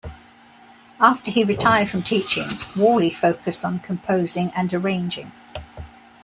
After he retired from teaching, Worley focused on composing and arranging.